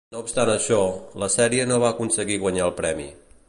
No obstant això, la sèrie no va aconseguir guanyar el premi.